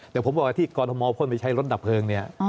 แต่ผมบอกที่กอล์โธมอท์พ่นไปใช้รถดับเพลิงนี่